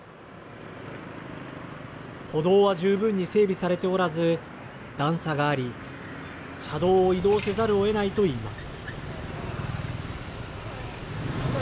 歩道は十分に整備されておらず段差があり、車道を移動せざるをえないと言います。